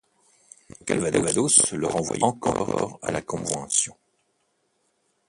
Le Calvados le renvoya encore à la Convention.